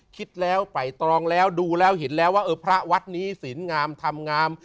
คิดแล้วไปตรองแล้วดูแล้วเห็นแล้วว่าเออพระวัดนี้สินงามทำงาม